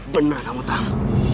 bener kamu tau